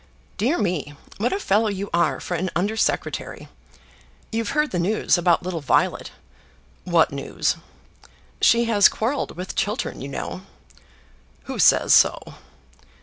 "Dear me, what a fellow you are for an Under Secretary! You've heard the news about little Violet." "What news?" "She has quarrelled with Chiltern, you know." "Who says so?"